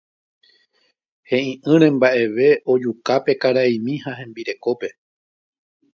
he'i'ỹre mba'evete ojuka upe karaimi ha hembirekópe.